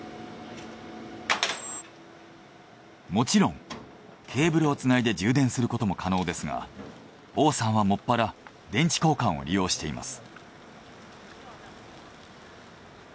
もちろんケーブルをつないで充電することも可能ですが王さんはもっぱら電池交換を利用しています。